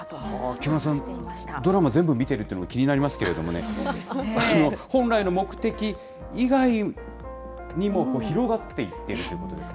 木村さん、ドラマ全部見てるっていうのも気になりますけれどもね、本来の目的以外にも広がっていってるってことですか。